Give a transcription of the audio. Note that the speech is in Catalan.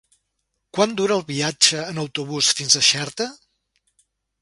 Quant dura el viatge en autobús fins a Xerta?